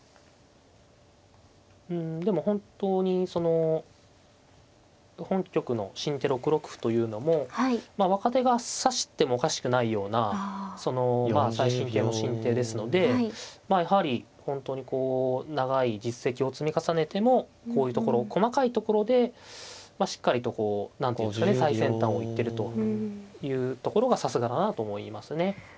うんでも本当にその本局の新手６六歩というのもまあ若手が指してもおかしくないようなそのまあ最新型の新手ですのでまあやはり本当にこう長い実績を積み重ねてもこういうところ細かいところでまあしっかりとこう何ていうんですかね最先端を行ってるというところがさすがだなと思いますね。